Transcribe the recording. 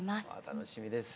楽しみです。